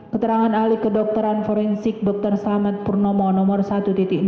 keterangan ahli toksikologi forensik dr renat imade agus gelgel wirasuta yang menunjukkan comunicasi tentang kem tiga ribu